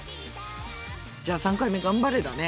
じゃあ３回目頑張れだね。